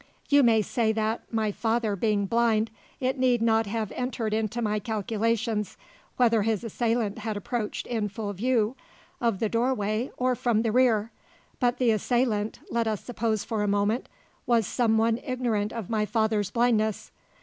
You may say that, my father being blind, it need not have entered into my calculations whether his assailant had approached in full view of the doorway or from the rear. But the assailant let us suppose for a moment was some one ignorant of my father's blindness.